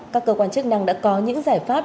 các cơ quan chức năng đã có những giải pháp